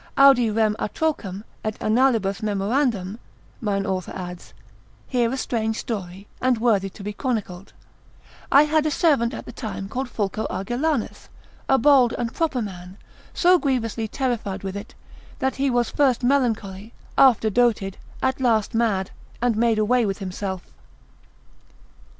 Audi rem atrocem, et annalibus memorandam (mine author adds), hear a strange story, and worthy to be chronicled: I had a servant at the same time called Fulco Argelanus, a bold and proper man, so grievously terrified with it, that he was first melancholy, after doted, at last mad, and made away himself.